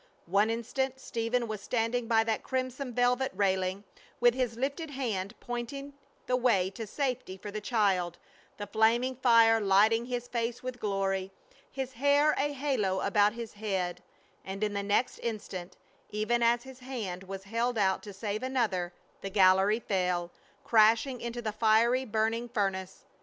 One instant Stephen was standing by that crimson velvet railing, with his lifted hand pointing the way to safety for the child, the flaming fire lighting his face with glory, his hair a halo about his head, and in the next instant, even as his hand was held out to save another, the gallery fell, crashing into the fiery, burning furnace!